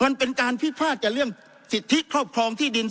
มันเป็นการพิพาทกับเรื่องสิทธิครอบครองที่ดิน